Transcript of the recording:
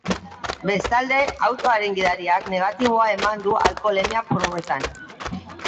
Bestalde, autoaren gidariak negatiboa eman du alkoholemia probetan.